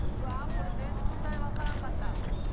これ絶対分からんかった。